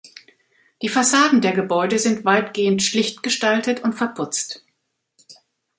Die Fassaden der Gebäude sind weitgehend schlicht gestaltet und verputzt.